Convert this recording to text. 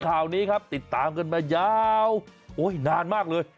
ข่าวนี้ครับติดตามกันมายาวโอ้ยนานมากเลย